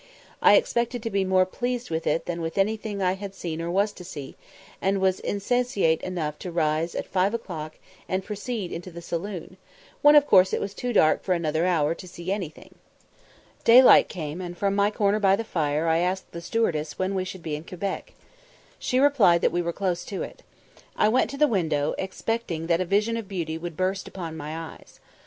I expected to be more pleased with it than with anything I had seen or was to see, and was insensate enough to rise at five o'clock and proceed into the saloon, when of course it was too dark for another hour to see anything. Daylight came, and from my corner by the fire I asked the stewardess when we should be in sight of Quebec? She replied that we were close to it. I went to the window, expecting that a vision of beauty would burst upon my eyes.